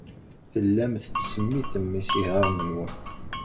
Tellam tettsemmitem isihaṛen-nwen.